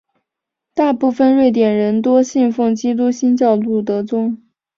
大部分瑞典人多信奉基督新教路德宗。